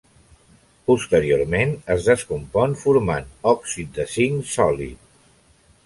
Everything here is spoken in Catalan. Posteriorment, es descompon formant òxid de zinc sòlid.